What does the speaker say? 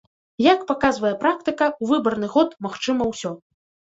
Як паказвае практыка, у выбарны год магчыма ўсё.